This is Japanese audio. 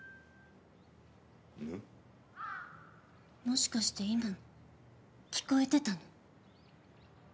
もしかして今の聞こえてたの？